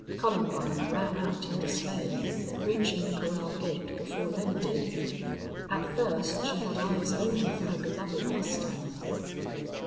Columbine ran out in dismay, reaching the corral gate before Lem did. At first she had eyes only for her beloved mustang.